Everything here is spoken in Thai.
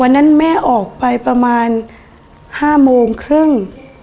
วันนั้นแม่ออกไปประมาณห้าโมงครึ่ง